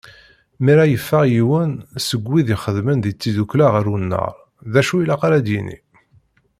Mi ara yeffeɣ yiwen seg wid ixeddmen di tiddukkla ɣer unnar, d acu i ilaq ad yini.